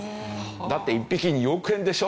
だって１匹２億円でしょ？